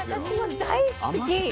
私も大好き。